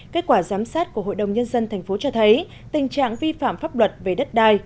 kết quả giám sát của hội đồng nhân dân tp cho thấy tình trạng vi phạm pháp luật về đất đai